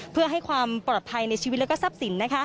เพื่อให้ความปลอดภัยในชีวิตและทรัพย์สิน